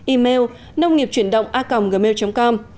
email nông nghiệpchuyểnđộngacomgmail com